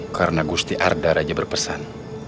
karena gusti arda raja berpesan